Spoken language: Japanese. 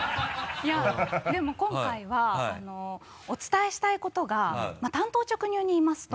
いやでも今回はお伝えしたいことがまぁ単刀直入に言いますと。